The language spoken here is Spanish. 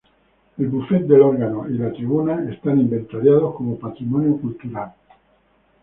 El buffet del órgano y la tribuna están inventariados como patrimonio cultural.